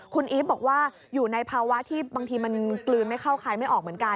คุณอีฟบอกว่าอยู่ในภาวะที่บางทีมันกลืนไม่เข้าคายไม่ออกเหมือนกัน